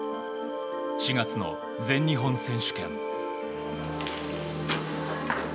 ４月の全日本選手権。